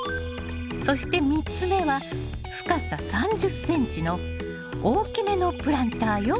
そして３つ目は深さ３０ｃｍの大きめのプランターよ。